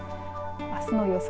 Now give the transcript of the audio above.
あすの予想